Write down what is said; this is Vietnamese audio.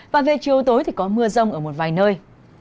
và về chiều tối thì có mưa rông ở một vài nơi